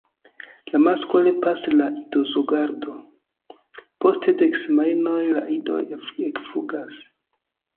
La masklo helpas al idozorgado: post dek semajnoj la idoj ekflugas.